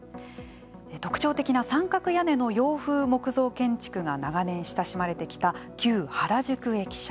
特徴的な三角屋根の洋風木造建築が長年親しまれてきた旧原宿駅舎。